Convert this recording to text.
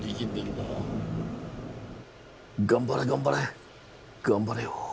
頑張れ頑張れ頑張れよ。